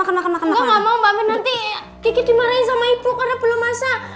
gak mau mbak mir nanti gigi dimarahin sama ibu karena belum masak